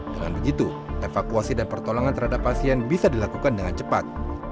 dengan begitu evakuasi dan pertolongan terhadap pasien bisa dilakukan dengan cepat